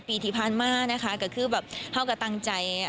ปีที่ผ่านมาก็คือเฉากับตังใจ